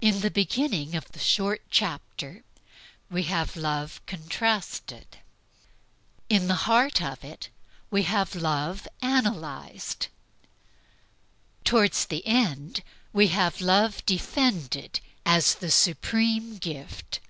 In the beginning of the short chapter we have Love contrasted; in the heart of it, we have Love analyzed; toward the end, we have Love defended as the supreme gift.